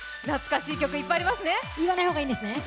懐かしい曲いっぱいありますね。